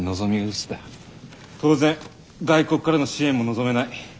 当然外国からの支援も望めない。